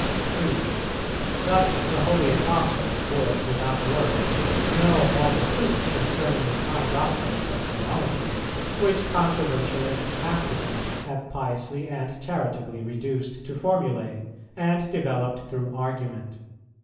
3. Thus, the holy Apostles would without words know all the truths concerning the high doctrines of theology, which controversialists after them have piously and charitably reduced to formulæ, and developed through argument.